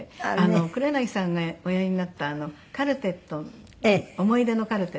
黒柳さんがおやりになった『カルテット』『想い出のカルテット』。